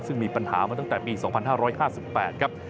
ซึ่งมีปัญหามาตั้งแต่ปี๒๕๕๘ครับ